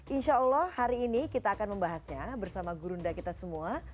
insya allah hari ini kita akan membahasnya bersama gurunda kita semua